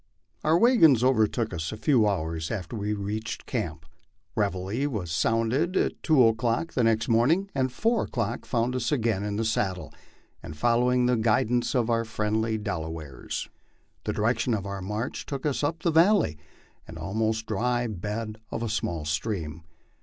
Our wagons over MY LIFE ON THE PLAINS. 87 took us a few hours after we reached camp. Reveille was sounded at two o'clock the next morning, and four o'clock found us again in the saddle, and following the guidance of our friendly Delawares. The direction of our march took us up the valley and almost dry bed of a small stream.